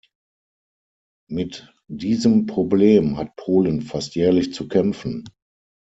Mit diesem Problem hat Polen fast jährlich zu kämpfen.